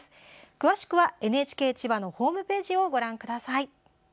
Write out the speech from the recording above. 詳しくはＮＨＫ千葉のホームページをご覧ください。